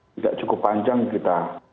tidak cukup panjang kita